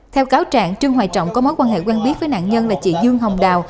theo cáo trạng trương hoài trọng có mối quan hệ quen biết với nạn nhân là chị dương hồng đào